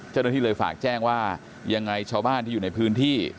เจ้าหน้าที่เลยฝากแจ้งว่ายังไงชาวบ้านที่อยู่ในพื้นที่